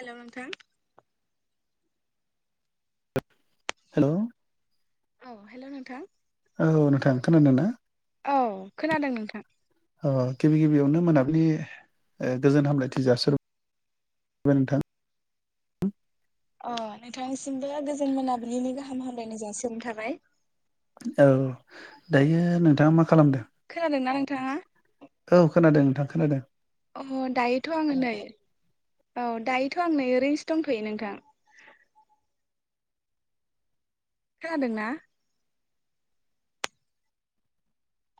हेल' नोंथां हेलौ औ हेल' नोंथां औ नोंथां खोनादोंना? औ खोनादों नोंथां ओ गिबि गिबियावनो मोनाबिलि ओ गोजोन हामलायथि जासिहर [unintelligible] बाय नोंथां। अ नोंथांसिमबो गोजोन मोनाबिनि गाहाम हामलायनाय जासि हरनाय थाबाय। औ दायो नोंथाङा मा खालामदों? खोनादोंना नोंथाङा औ खोनादों नोंथां खोनादों अ दायोथ' आङो नै औ दायोथ' आं नै ओरैन्सो दंथ'यो नोंथां खोनादोंना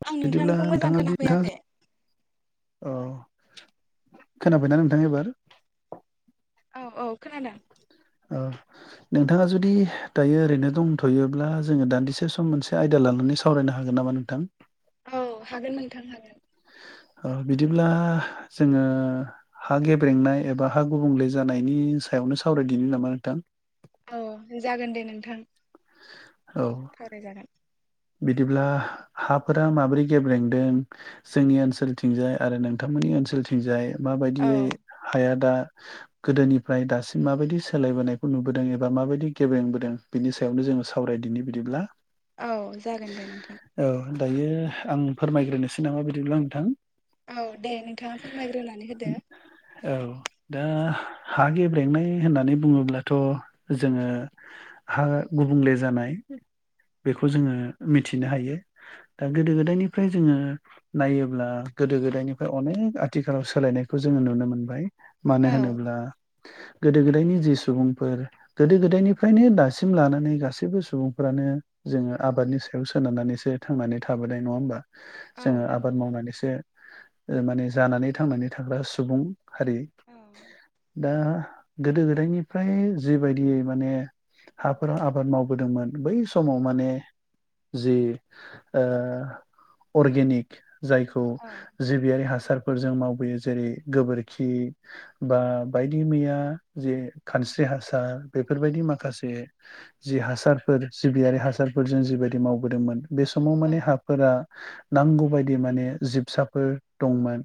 आं बिदिब्ला नोंथांनिखौ मोजां नोंथाङा दि नोंथाङा खोनाफैयाखै ज अ खोनाबायना नोंथां एबार औ औ खोनादों ओ नोंथाङा जुदि दायो ओरैनो दंथ'योब्ला जोङो दान्दिसे सम मोनसे आयदा लानानै साव सावरायनो हागोन नामा नोंथां औ हागोन नोंथां हागोन अ बिदिब्ला जोङो हा गेब्रेंनाय एबा हा गुबुंले जानायनि सायावनो सावरायदिनि नामा नोंथां औ जागोन दे नोंथां औ सावरायजागोन बिदिब्ला हाफोरा माबोरै गेब्रेंदों जोंनि ओनसोलथिंजाय आरो नोंथांमोननि ओनसोलथिंजाय औ माबायदियै हाया दा गोदोनिफ्राय दासिम माबायदि सोलायबोनायखौ नुबोदों एबा माबायदि गेब्रेंबोदों बिनि सायावनो जोङो सावरायदिनि बिदिब्ला औ जागोन दे नोंथां औ दायो आं फोरमायग्रोनोसै नामा बिदिब्ला नोंथां औ दे नोंथाङा फोरमायग्रोनानै होदो औ दा हा गेब्रेंनाय होननानै बुङोब्लाथ' जोङो हा गुबुंले जानाय खौ जोङो मिथिनो हायो दा गोदो गोदायनिफ्राय जोङो नायोब्ला गोदो गोदायनिफ्राय अनेक आथिखालाव सोलायनायखौ जोङो नुनो मोनबाय मानो औ होनोब्ला गोदो गोदायनि जि सुबुंफोर गोदो गोदायनिफ्रायनो दासिम लानानै गासैबो सुबुंफ्रानो जोङो आबादनि सायाव सोनारनानैसो थांनानै थाबोनाय नङा होमबा औ जोङो नंगौ आबाद मावनानैसो ओ माने जानानै थांनानै थाग्रा सुबुं हारि औ दा गोदो गोदायनिफ्राय जिबायदियै माने हाफोराव आबाद मावबोदोंमोन बै समाव माने जि ओ अरगेनिक जायखौ औ जिबियारि हासारफोर जों मावबोयो जेरै गोबोरखि बा बायदि मैया जे खानस्रि हासार बेफोरबायदि माखासे जि हासारफोर जिबियारि हासारफोरजों जिबायदि मावबोदोंमोन बे समाव औ माने हाफोरा नांगौबायदि माने जिबसाफोर दंमोन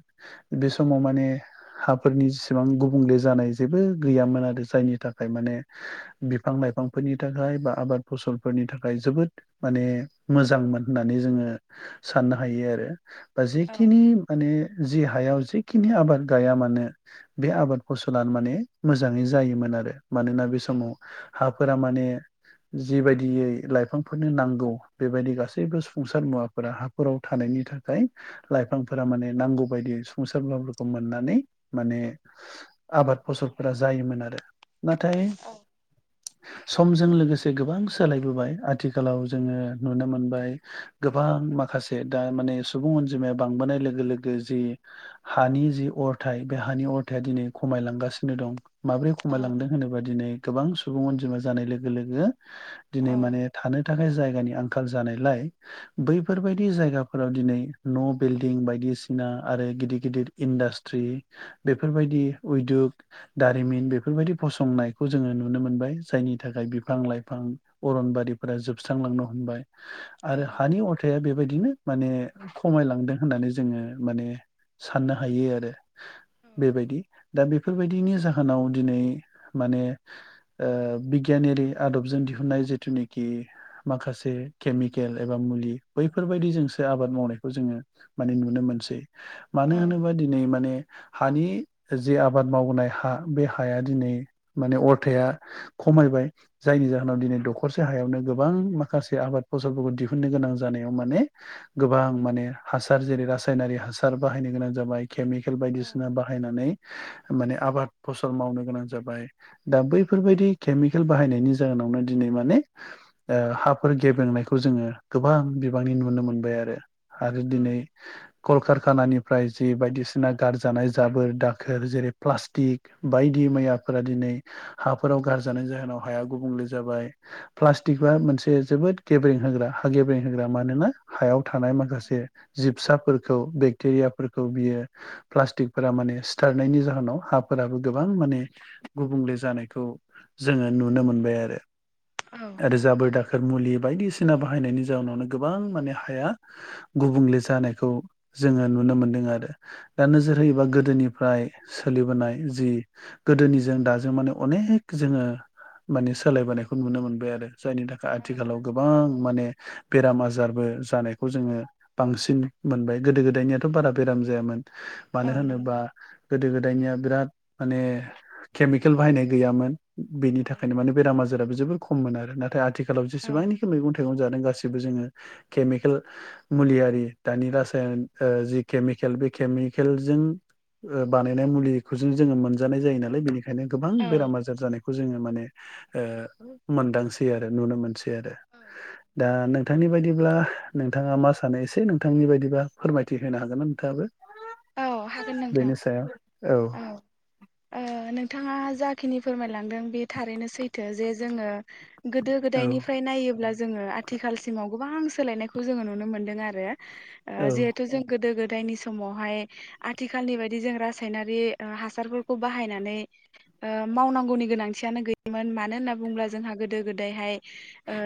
बे समाव औ माने हाफोरनि जेसेबां गुबुंले जानाय जेबो गैयामोन आरो जायनि थाखाय माने बिफां लाइफांफोरनि थाखाय बा आबाद फसलफोरनि था खाय जोबोद माने मोजांमोन होननानै जोङो साननो हायो आरो बा जिखिनि माने जि हायाव जिखिनि आबाद गाया मानो बे आबाद फसलानो माने मोजाङै जायोमोन आरो मानोना बे समाव हाफोरा माने जिबायदियै लाइफांफोरनो नांगौ बेबायदि गासैबो सफुंसार मुवाफोरा हाफोराव थानायनि थाखाय लाइफांफोरा माने नांगौ बायदि संसारफोरखौ मोननानै माने आबाद फसलफोरा जायोमोन आरो नाथाय औ समजों लोगोसे गोबां सोलायबोबाय आथिखालाव जोङो नुनो मोनबाय गोबां माखासे दा माने सुबुं अनजिमाया बांबोनाय लोगो लोगो जि हानि जि अरथायाइ बे हानि अरथाया दिनै खमायलांगासिनो दं। माब्रै औ खमायलांदों होनोबा दिनै गोबां सुबुं अनजिमा जानाय लोगो-लोगो दिनै औ माने थानो थाखाय जायगानि आंखाल जानायलाय बैफोरबायदि जायगाफोराव दिनै न' बिल्डिं बायदिसिना आरो गिदिर-गिदिर इन्डास्ट्रि बेफोरबायदि उयदुग दारिमिन बेफोरबायदि फसंनायखौ जोङो नुनो मोनबाय जायनि थाखाय बिफां लाइफां अरनबारिफोरा जोबस्रांलांनो हमबाय औ आरो हानि अरथाया बेबायदिनो माने खमायलांदों होननानै जोङो माने साननो हायो आरो। औ बेबायदि दा बेफोरबायदिनि जाहोनाव दिनै माने ओ बिगियानारि आदबजों दिहुनाय जिथुनि कि माखासे केमिकेल एबा मुलि बैफोरबायदि जोंसो आबाद मावनायखौ जोङो माने नुनो मोनसै औ मानो होनोबा दिनै माने हानि जे आबाद मावबोनाय हा बे हाया दिनै माने अरथाया खमायबाय जायनि जाहोनाव दिनै दखरसे हायावनो गोबां माखासे आबाद फसलफोरखौ दिहुननो गोनां जानायाव माने गोबां माने हासार जेरै रासायनारि हासार बाहायनो गोनां जाबाय केमिकेल बायदिसिना बा बाहायनानै माने आबाद फसल मावनो गोनां जाबाय। दा बैफोरबायदि केमिकेल बाहायनायनि जाहोनावनो दिनै माने ओ हाफोर गेब्रेंनायखौ जोङो गोबां बिबांनि नुनो मोनबाय आरो। आरो दिनै कलकारखानानिफ्राय जि बायदिसिना गारजानाय जाबोर दाखोर जेरै प्लास्टिक बायदि मैयाफोरा दिनै हाफोराव गारजानायनि जाहोनाव हाया गुबुंले जाबाय। प्लास्टिकया मोनसे जोबोद गेब्रें होग्रा हा गेब्रें होग्रा मानोना हायाव थानाय माखासे जिबसाफोरखौ बेक्टेरियाफोरखौ बियो प्लास्टिकफोरा माने सिथारनायनि जाहोनाव हाफोराबो गोबां माने गुबुंले जानायखौ जोङो नुनो मोनबाय आरो। औ। आरो जाबोर दाखोर मुलि बायदिसिना बाहायनायनि जाउनावनो गोबां माने हाया गुबुंले जानायखौ जोङो नुनो मोनदों आरो दा नोजोर होयोबा गोदोनिफ्राय सोलिबोनाय जि गोदोनिजों दाजों माने अनेक जोङो माने सोलायबोनायखौ नुनो मोनबाय आरो जायनि थाखाय आथिखालाव नंगौ गोबां माने बेराम आजारबो जानायखौ जोङो बांसिन मोनबाय गोदो गोदायनियाथ' बारा बेराम जायामोन। मानो होनोबा गोदो गोदायनिया बिराद माने केमिकेल बाहायनाय गैयामोन। बेनि थाखायनो माने बेराम आजाराबो जोबोर खममोन आरो नाथाय आथिखालाव औ जेसेबांनाखि मैगं था थाइगं जादों गाससिबो जोङो केमिकेल मुलि आरि दानि रासायान ओ जि केमिकेल बे केमिकेलजों ओ बानायनाय मुलिखौ जों जोङो मोनजानाय जायो नालाय बेनिखा खायनो गोबां बेराम आजार जानायखौ जोङो माने ओ मोनदांसै आरो नुनो मोनस सै आरो दा नों थांनि बायदिब्ला नोंथाङा मा सानो एसे नोंथांनि बायदिब्ला फोरमायथि होनो हागोन ना नोंथाङाबो? औ हागोन [unintelligible] नोंथां बेनि सायाव औ। ओ नोंथाङा जाखिनि फोरमायलांदों बे थारैनो सैथो जे जोङो गोदो औ गोदायनिफ्राय नायोब्ला जोङो आथिखालसिमाव गोबां सोलायनायखौ जोङो नुनो मोनदों आरो ओ औ जिहेथु जों गोदो गोदायनि समावहाय आथिखालनि बायदि जों रासायनारि हासारफोरखौ बाहायनानै ओ मावनांगौनि गोनांथियानो गैयामोन मानो होनना बुंङोब्ला जोंहा गोदो गोदायहाय ओ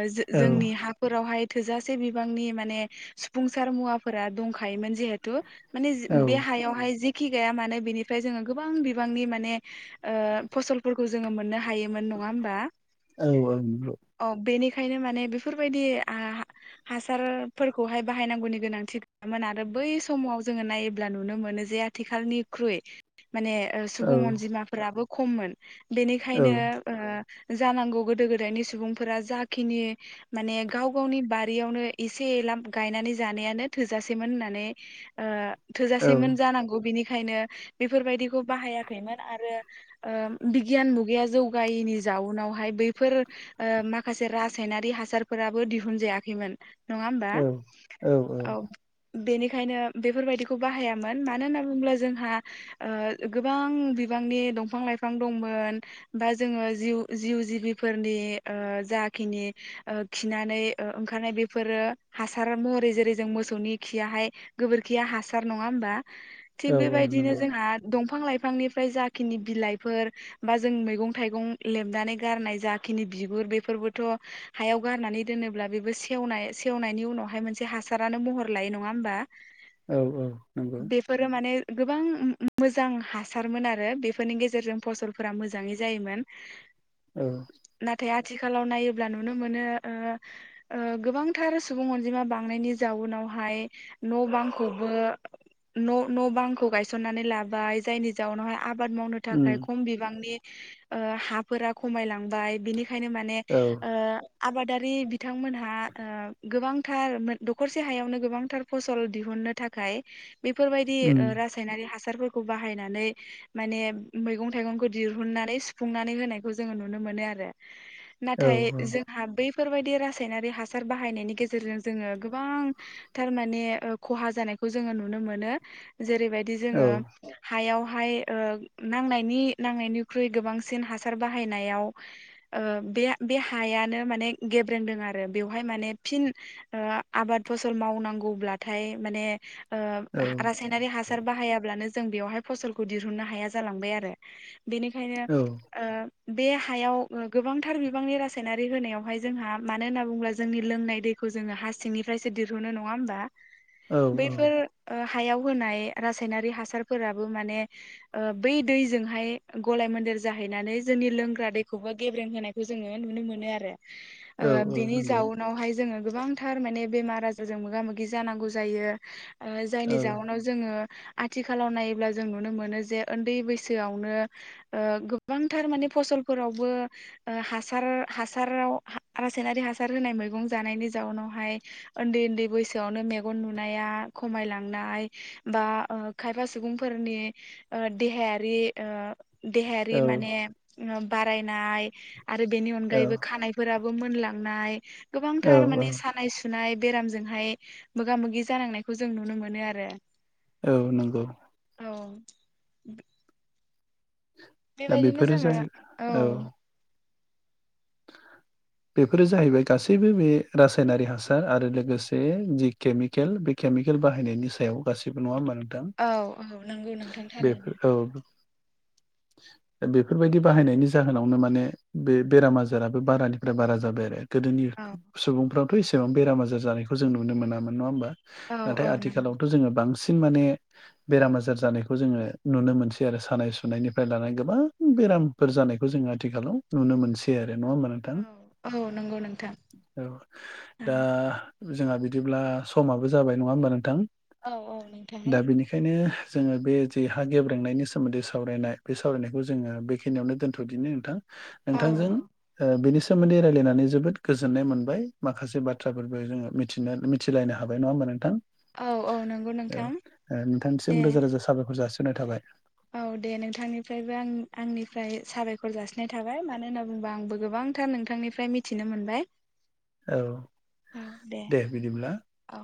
औ जो-जोंनि हा फोरावहाय थोजासे बिबांनि माने सुफुंसार मुवाफोरा दंखायोमोन जिहेथु माने बे हायावहाय जेखि गैया मानो बेनिफ्राय जोङो गोबां बिबांनि माने ओ फसलफोरखौ जोङो मोननो हायोमोन नङा होमबा? औ औ नंगौ। औ बेनिखायनो माने बेफोरबायदि आह हासारफोरखौहाय बाहायनांगौनि गोनांथि गैयामोन आरो बै समाव जोङो नायोब अब्ला नुनो मोनो जे आथिखालनिख्रुइ माने ओ औ सुबुं अनजिमाफोराबो खममोन। औ बेनिखायनो ओ जानांगौ गोदो गोदायनि सुबुंफोरा जाखिनि माने गाव गावनि बारियावनो एसे एला गायनानै जानायानो थोजासेमोन होननानै ओ थोजासेमोन जानांगौ बिनिखायनो बेफोरबायदिखौ बाहायाखैमोन आरो ओ बिगियान मुगाया जौगायैनि जाउनावहाय बैफोर ओ माखासे रासायनारि हासारफोराबो दिहुनजायाखैमोन। नङा होमबा औ बेनिखायनो बेफोरबायदि खौ बाहायामोन मानो होनना बुङोब्ला जोंहा ओ गोबां बिबांनि दंफां लाइफां दंमोन बा जोङो जिउ-जिउ जिबिफोरनि ओ जाखिनि ओ खिनानै ओ ओंखारनाय बेफोरो हासार महरै जेरै जों मोसौनि खियाहाय गोबोरखिया हासार नङा होमबा थिग औ औ बेबायदिनो नंगौ जोंहा दंफां लाइफांनि फ्राय जाखिनि बिलाइफोर बा जों मैगं थाइगं लेबनानै गारनाय जाखिनि बिगुर बेफोरबोथ' हायाव गारनानै दोनोब्ला बेबो सेवनाय सेवनायनि उनावहाय मोनसे हासारानो महर लायो नङा होमबा? औ-औ। बे फोरो माने गोबां मो-मोजां हासारमोन आरो बेफोरनि गेजेरजों फसलफोरा मोजाङै जायोमोन। [unintelligible] औ। नाथाय आथिखालाव नायोब्ला नुनो मोनो ओ ओ गोबांथार सुबुं अनजिमा बांनायनि जाउनावहाय न' बांखौबो न' न' बांखौ गायसननानै लाबाय जायनि जाउनावहाय आबाद मावनो उम थाखाय खम बिबांनि ओ हाफोरा खमायलांबाय बिनिखायनो म माने औ ओ आबादारि बिथांमोनहा ओ गोबांथार मो दखरसे हायावनो गोबांथार फसल दिहुननो थाखाय बेफोरबायदि ओ उम रासायनारि हासारफोरखौ बाहायनानै माने मैगं थाइगंखौ दिहुननानै सुफुंनानै होनायखौ जोङो नुनो मोनो आरो। औ नाथाय जोंहा बैफोरबायदि रासायनारि हासार बाहायनायनि गेजेरजों जोङो गोबां थारमाने ओ खहा जानायखौ जोङो नुनो मोनो जेरैबायदि औ जोङो हायावहाय ओ नांनायनि नांनायनिख्रुइ गोबांसिन हासार बाहायनायाव ओ बे बे हायानो माने गेब्रेंदों आरो बेवहाय माने फिन ओ आबाद फसल मावनांगौब्लाथाय माने ओ औ रासा नारि हासार बाहायाबानो जों बेयावहाय फसलखौ दिहुननो हाया जालांबाय आरो। बेनिखायनो औ ओ बे हायाव ओ गोबांथार बिबांनि रासायनारि होनायावहाय जोंहा मानो होनना बुङोब्ला जोंनि लोंनाय दै खौ जोङो हा सिंनिफ्रायसो दिरहुनो नङा होमबा? बैफोर हायाव होनाय रासायनारि हासारफोराबो माने ओ बै दैजोंहाय गलाय मन्देर जाहैनानै जोंनि लोंग्रा दैखौबो गेब्रें होनाय जोङो नुनो मोनो आरो औ ओ औ बेनि नंगौ जाउनावहाय जोङो गोबां थार माने बेमार आजारजों मोगा मोगि जानांगौ जायो ओ औ जायनि जउनाव जोङो आथिखालाव नायोब्ला जों नुनो मोनो जे उन्दै बैसोआवनो ओ गोबांथार माने फसलफोरावबो ओ हासार हासाराव रासायनारि हासार होनाय मैगं जानायनि जाउनावहाय उन्दै उन्दै बैसोआवनो मेगन नु खमायलांनाय बा खायफा सुबुंफोरनि ओ देहायारि ओ देहायारि माने औ बारायनाय आरो बेनि अनगायैबो खानाय फोराबो मोनलांनाय औ गोबांथार औ माने सानाय सुनाय बेरामजोंहाय मोगा मोगि जानांनायखौ जों नुनो मोनो आरो। औ नंगौ औ दा बेबायदिनो बेफोरो जोंङो जाहै औ [inaudible] बेफोरो जाहैबाय गासैबो बे रासायनारि हासार आरो लोगोसे जि केमिकेल बे केमिकेल बाहायनायनि सायाव गासिबो नङा होमबा नोथां औ औ नंगौ नोंथां थारैनो बेफोर औ बेफोरबायदि बाहायनायनि जाहोनावनो माने बे बेरामा बेमाराबो बारानिफ्राय बारा जाबाय आरो गोदोनि औ सुबुंफ्राथ' एसेबां बेराम आजार जानायखौ जों नुनो मोनामोन नङा होमबा। औ नाथाय औ आथिखालावथ' जोंङो बांसिन माने बेराम आजार जानायखौ जोंङो नुनो मोनसै आरो सानाय सुनायनिफ्राय लानानै गोबां बेरामफोर जानायखौ जोंङो आथिखालाव नुनो मोनसै आरो नङा होमबा नोंथां नंगौ औ नंगौ नोंथां औ दा जोंहा बिदिब्ला समाबो जाबाय नङा होमबा नोंथां औ औ नोंथां बेखायनो जोंङो बे जे हा गेब्रांनायनि सोमोन्दै सावरायनाय बे सावरायनायखौ जोंङो बे खिनियावनो दोनथ'दिनो नोंथां औ नोंथांजों ओ बेनि सोमोन्दै रायलायनानै जोबोद गोजोन्नाय मोनबाय माखासे बाथ्राफोरबो जोंङो मि थाना मिथिलायनो हाबाय नङा होमबा नोंथां औ औ नंगौ नोंथां औ नोंथांनिसिम दे रोजा रोजा साबायखर जासिनाय थाबाय औ दे नोंथांनिफ्रायबो आं आंनिफ्राय साबायखर जासिनाय थाबाय मानो होनना बुंङोबा आंबो गोबांथार नोंथांनि फ्राय मिथिनो मोनबाय औ औ दे औ